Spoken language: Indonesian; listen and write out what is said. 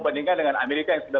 bandingkan dengan amerika yang sudah